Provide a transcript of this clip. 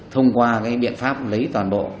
thông qua cái biện pháp lấy toàn bộ